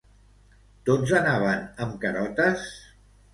Tots anaven amb carotes?